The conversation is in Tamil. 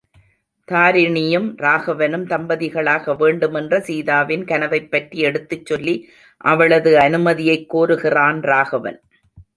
தாரிணியும் ராகவனும் தம்பதிகளாக வேண்டுமென்ற சீதாவின் கனவைப்பற்றி எடுத்துச்சொல்லி, அவளது அனுமதியைக் கோருகிறான் ராகவன்.